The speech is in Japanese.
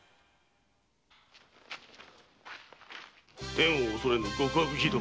天を恐れぬ極悪非道。